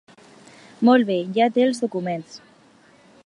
Molt bé, ja té els documents.